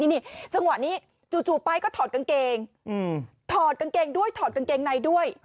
นี่นี่จังหวะนี้จู่จู่ป้ายก็ถอดกางเกงอืมถอดกางเกงด้วย